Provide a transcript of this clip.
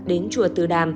đến chùa từ đàm